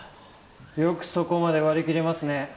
よくそこまで割り切れますね